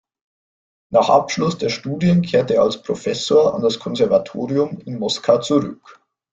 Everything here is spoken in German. Nach Abschluss der Studien kehrte er als Professor an das Konservatorium in Moskau zurück.